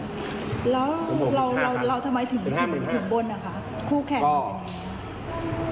แล้วเราทำไมถึงบ่นอ่ะคะ